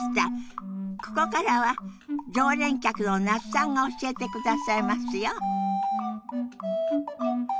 ここからは常連客の那須さんが教えてくださいますよ。